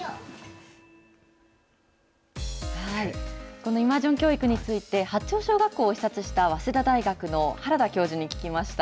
このイマージョン教育について、八町小学校を視察した早稲田大学の原田教授に聞きました。